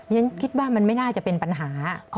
ฉันคิดว่ามันไม่น่าจะเป็นปัญหา